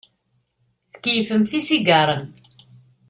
Tkeyyfemt isigaṛen.